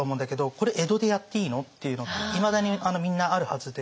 これ江戸でやっていいの？っていうのっていまだにみんなあるはずで。